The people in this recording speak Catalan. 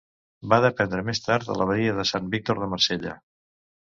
Va dependre més tard de l'abadia de Sant Víctor de Marsella.